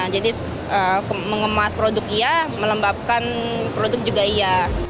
jadi mengemas produk iya melembapkan produk juga iya